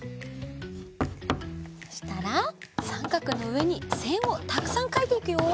そしたらさんかくのうえにせんをたくさんかいていくよ。